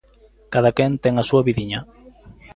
Cadaquén ten a súa vidiña.